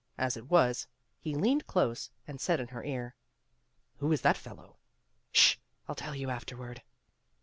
As it was, he leaned close and said in her ear, "Who is that fellow?" " Sh ! I '11 tell you afterward.